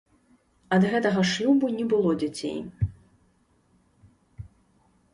Ад гэтага шлюбу не было дзяцей.